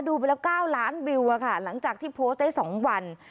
ดูไปแล้ว๙ล้านวิวค่ะหลังจากที่โพสต์ได้๒วัน